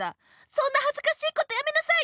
「そんなはずかしいことやめなさい！」